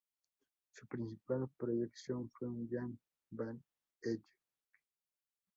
Su principal proyección fue en Jan van Eyck.